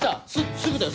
すぐだよ！